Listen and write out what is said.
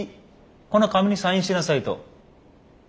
この紙にサインしなさいと。